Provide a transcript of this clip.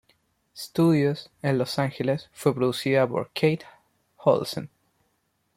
Studios en Los Ángeles, fue producido por Keith Olsen.